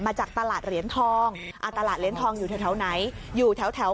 มาจากตลาดเหรียญทองตลาดเหรียญทองอยู่แถวไหนอยู่แถวแถว